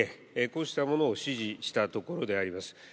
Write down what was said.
こうしたものを指示したところであります。